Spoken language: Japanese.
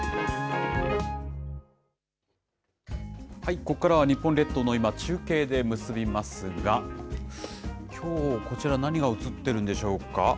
ここからは日本列島の今、中継で結びますが、きょう、こちら、何が映っているんでしょうか。